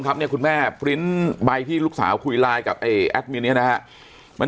ครับเนี้ยคุณแม่ไบที่ลูกสาวคุยลายกับนี่นี่นะฮะมัน